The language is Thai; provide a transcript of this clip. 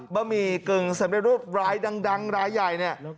บะหมี่กึ่งสำเร็จรูปรายดังรายใหญ่เนี่ย